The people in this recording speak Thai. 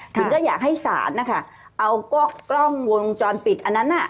ถึงก็อยากให้ศาลนะคะเอากล้องวงจรปิดอันนั้นน่ะ